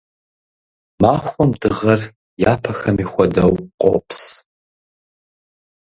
Махуэм дыгъэр, япэхэми хуэдэу, къопс.